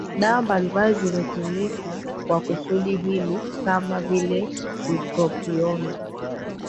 Dawa mbalimbali zimetumika kwa kusudi hili kama vile bupropioni